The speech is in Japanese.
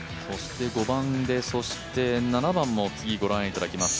７番も次にご覧いただきます